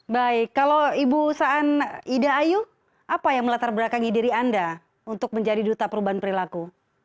baik kalau ibu saan ida ayu apa yang melatar belakangi diri anda untuk menjadi duta perubahan perilaku